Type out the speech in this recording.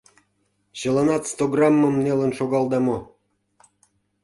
Чыланат стограммым нелын шогалда мо?